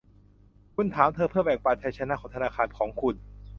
คุณถามเธอเพื่อแบ่งปันชัยชนะของธนาคารของคุณ